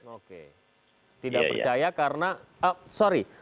oke tidak percaya karena sorry